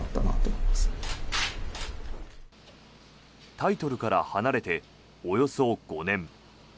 タイトルから離れておよそ５年。